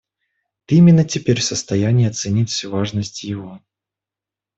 Ты именно теперь в состоянии оценить всю важность его.